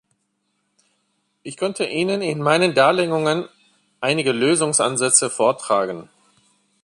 Ich konnte Ihnen in meinen Darlegungen einige Lösungsansätze vortragen.